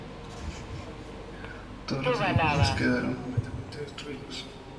Todos los edificios quedaron completamente destruidos.